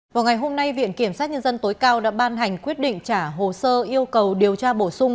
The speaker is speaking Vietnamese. vào ngày hôm nay viện kiểm sát nhân dân tối cao đã ban hành quyết định trả hồ sơ yêu cầu điều tra bổ sung